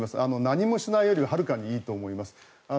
何もしないよりははるかにいいと思います。